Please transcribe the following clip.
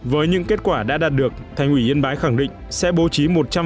với những kết quả đã đạt được thành ủy yên bái khẳng định sẽ bố trí một trăm linh